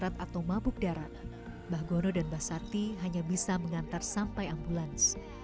atau mabuk darat mbah gono dan mbah sati hanya bisa mengantar sampai ambulans